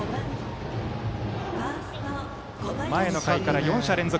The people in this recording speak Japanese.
前の回から４者連続。